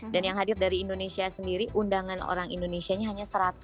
dan yang hadir dari indonesia sendiri undangan orang indonesia nya hanya seratus